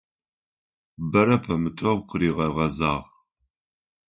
Бэрэ пэмытэу къыригъэгъэзагъ.